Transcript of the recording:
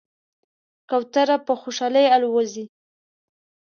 کوتره په خوشحالۍ الوزي.